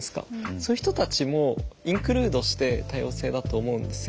そういう人たちもインクルードして多様性だと思うんですよ。